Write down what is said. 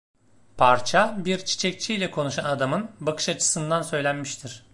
Parça bir çiçekçiyle konuşan adamın bakış açısından söylenmiştir.